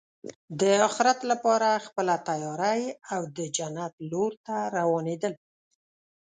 د اخرت لپاره خپله تیاری او د جنت لور ته روانېدل.